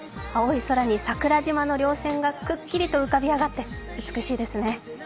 青い空に桜島の稜線がくっきりと浮かび上がって美しいですね。